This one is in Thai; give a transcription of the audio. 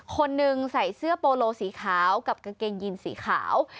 คนหนึ่งใส่เสื้อโปโลสีขาวกับกางเกงยีนสีขาว